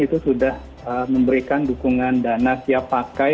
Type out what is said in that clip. itu sudah memberikan dukungan dana siap pakai